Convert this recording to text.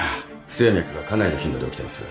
不整脈がかなりの頻度で起きてます。